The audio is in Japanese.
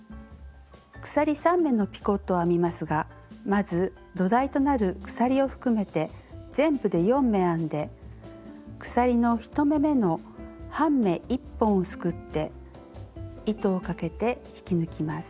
鎖３目のピコットを編みますがまず土台となる鎖を含めて全部で４目編んで鎖の１目めの半目１本をすくって糸をかけて引き抜きます。